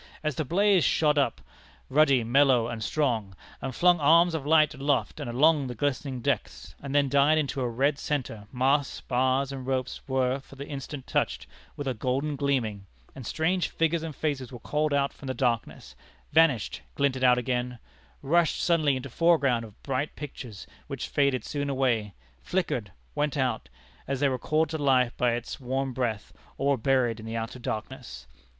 As the blaze shot up, ruddy, mellow and strong, and flung arms of light aloft and along the glistening decks, and then died into a red centre, masts, spars, and ropes were for the instant touched with a golden gleaming, and strange figures and faces were called out from the darkness vanished, glinted out again rushed suddenly into foreground of bright pictures, which faded soon away flickered went out as they were called to life by its warm breath, or were buried in the outer darkness!